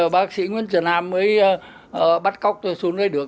bác sĩ nguyễn trần nam mới bắt cóc tôi xuống đây được